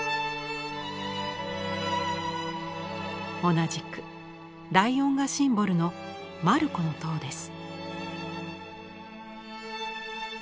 同じくライオンがシンボルのマルコの塔です。